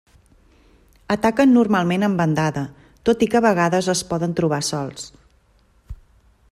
Ataquen normalment en bandada, tot i que a vegades es poden trobar sols.